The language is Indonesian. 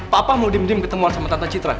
papa mau dim dim ketemuan sama tante citra